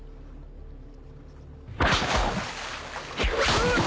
あっ！